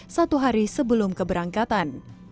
satu hari sebelum keberangkatan